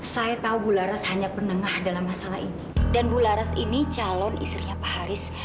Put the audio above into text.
saya tahu bu laras hanya penengah dalam masalah ini dan bu laras ini calon istrinya pak haris